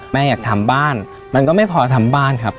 แม่อยากทำบ้านมันก็ไม่พอทำบ้านครับ